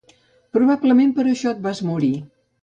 Probablement per això et vas morir.